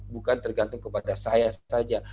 bukan tergantung kepada saya saja